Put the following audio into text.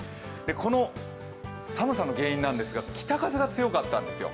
この寒さの原因なんですが、北風が強かったんですよ。